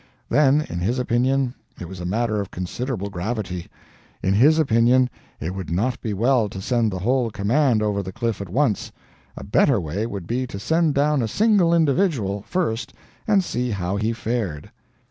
Then, in his opinion, it was a matter of considerable gravity; in his opinion it would not be well to send the whole command over the cliff at once; a better way would be to send down a single individual, first, and see how he fared.